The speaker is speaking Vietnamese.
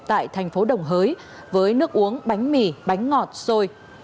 tại thành phố đồng hới với nước uống bánh mì bánh ngọt xôi